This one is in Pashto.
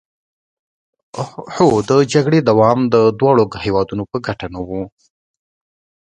خو د جګړې دوام د دواړو هیوادونو په ګټه نه و